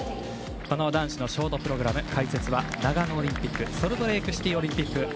男子のショートプログラム解説は長野オリンピックソルトレークシティーオリンピック